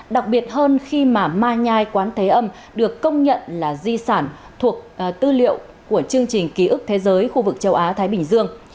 đặc biệt hơn khi mà mai nhai quán thế âm được công nhận là di sản thuộc tư liệu của chương trình ký ức thế giới khu vực châu á thái bình dương